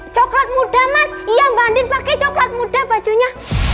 coklat muda mas iya mbak andir pakai coklat muda bajunya